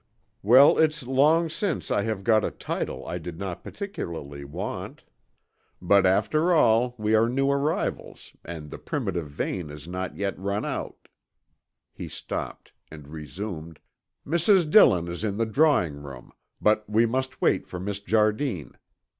Well, it's long since and I have got a title I did not particularly want; but after all we are new arrivals and the primitive vein is not yet run out " He stopped and resumed: "Mrs. Dillon is in the drawing room, but we must wait for Miss Jardine.